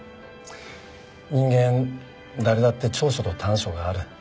人間誰だって長所と短所がある。